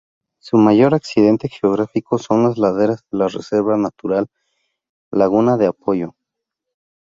Su mayor accidente geográfico son las laderas de la Reserva Natural Laguna de Apoyo.